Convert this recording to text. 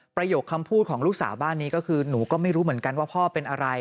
ประโยคคำพูดของลูกสาวบ้านนี้ก็คือหนูก็ไม่รู้เหมือนกันว่าพ่อเป็นอะไร